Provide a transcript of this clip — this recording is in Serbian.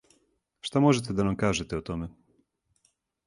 Шта можете да нам кажете о томе?